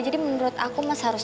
jadi menurut aku mas harus